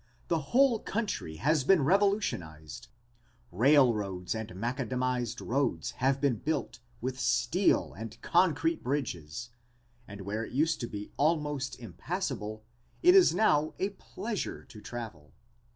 The whole country has been revolutionized. Railroads and macadamized roads have been built with steel and concrete bridges and where it used to be almost impassable it is now a pleasure to travel.